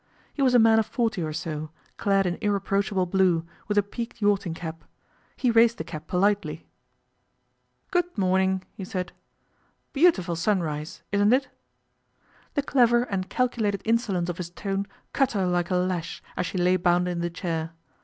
He was a man of forty or so, clad in irreproachable blue, with a peaked yachting cap. He raised the cap politely. 'Good morning,' he said. 'Beautiful sunrise, isn't it?' The clever and calculated insolence of his tone cut her like a lash as she lay bound in the chair.